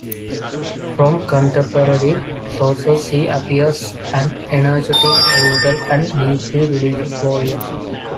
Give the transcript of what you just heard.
From contemporary sources he appears an energetic, brutal and deeply religious warrior.